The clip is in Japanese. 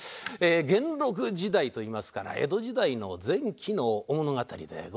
元禄時代といいますから江戸時代の前期の物語でございましょうか。